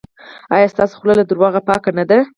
ایا ستاسو خوله له درواغو پاکه نه ده؟